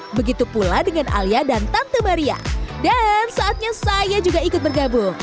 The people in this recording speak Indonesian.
begitu pula dengan alia dan tante maria dan saatnya saya juga ikut bergabung